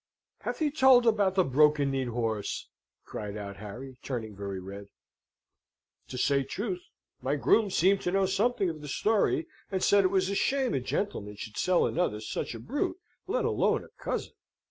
"Hath he told about the broken kneed horse?" cried out Harry, turning very red. "To say truth, my groom seemed to know something of the story, and said it was a shame a gentleman should sell another such a brute; let alone a cousin.